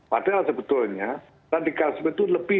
padahal sebetulnya radikalisme itu lebih